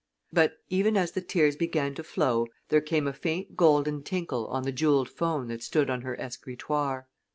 But, even as the tears began to flow, there came a faint golden tinkle on the jeweled 'phone that stood on her escritoire.